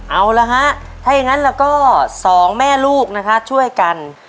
เอาละฮะถ้าอย่างนั้นแล้วก็สองแม่ลูกนะคะช่วยกัน